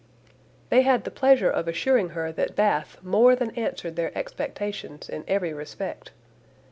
They had the pleasure of assuring her that Bath more than answered their expectations in every respect.